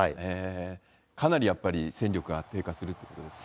かなりやっぱり、戦力が低下するってことですか？